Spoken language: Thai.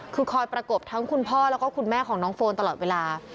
คือคอยประกบทั้งคุณพ่อแล้วก็คุณแม่ของน้องโฟนตลอดเวลา